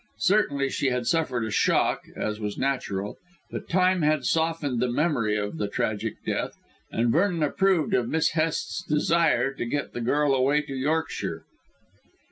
Certainly she had suffered a shock, as was natural; but time had softened the memory of the tragic death, and Vernon approved of Miss Hest's desire to get the girl away to Yorkshire.